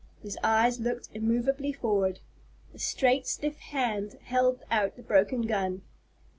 His eyes looked immovably forward. The straight stiff hand held out the broken gun.